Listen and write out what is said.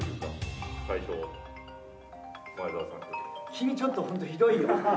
君ちょっとホントひどいよ。